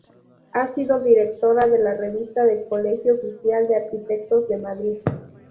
Ha sido directora de la Revista del Colegio Oficial de Arquitectos de Madrid.